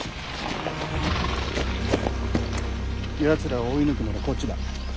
やつらを追い抜くならこっちだ。